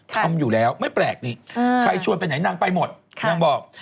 ทำอยู่แล้วไม่แปลกนี่ใครชวนไปไหนนางไปหมดนางบอก